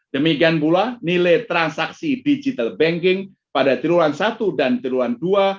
demikian pula nilai transaksi digital banking pada tirulan satu dan tirulan dua dua ribu dua puluh satu